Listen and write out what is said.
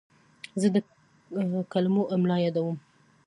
زه د کلمو املا یادوم.